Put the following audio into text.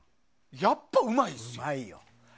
やっぱうまいっすよ。